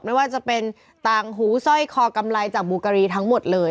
ไม่ว่าจะเป็นต่างหูสร้อยคอกำไรจากบูการีทั้งหมดเลย